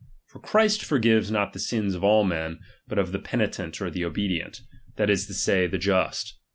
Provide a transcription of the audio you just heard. For Christ forgives not the sins of all men, but of the peni tent or the obedient, that is to say, the Just.